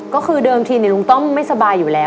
ก็คือเดิมทีลุงต้อมไม่สบายอยู่แล้ว